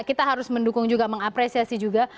kita harus mendukung juga mengapresiasi juga